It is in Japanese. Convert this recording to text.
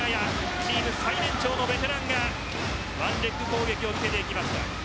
チーム最年長のベテランがワンレッグ攻撃をしていきました。